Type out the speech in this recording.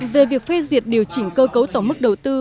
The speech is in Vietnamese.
về việc phê duyệt điều chỉnh cơ cấu tổng mức đầu tư